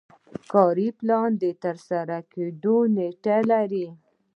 کاري پلان د ترسره کیدو نیټه لري.